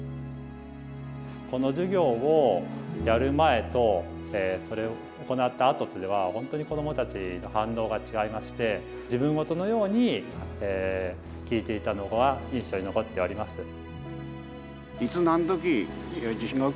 この授業をやる前とそれを行ったあととでは本当に子どもたちの反応が違いまして自分事のように聞いていたのが印象に残っております。